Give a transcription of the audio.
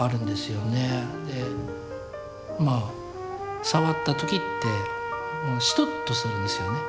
でまあ触った時ってシトッとするんですよね